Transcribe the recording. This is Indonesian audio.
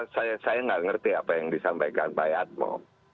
saya nggak ngerti apa yang disampaikan pak yatmo